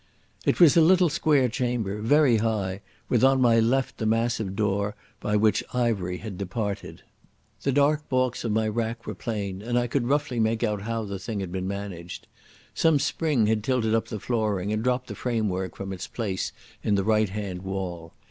It was a little square chamber, very high, with on my left the massive door by which Ivery had departed. The dark baulks of my rack were plain, and I could roughly make out how the thing had been managed. Some spring had tilted up the flooring, and dropped the framework from its place in the right hand wall.